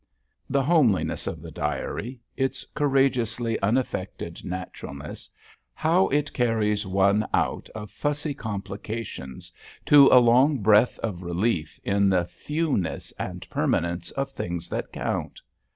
The homeliness of the diary, its courageously unaffected naturalness, how it carries one out of fussy complications to a long breath of relief in the fewness and permanence of things that count!